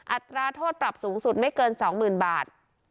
อัตราโทษปรับสูงสุดไม่เกิน๒๐๐๐บาท